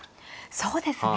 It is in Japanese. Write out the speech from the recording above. そうですね。